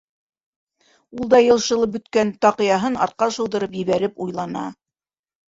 Ул да йышылып бөткән таҡыяһын артҡа шыуҙырып ебәреп уйлана.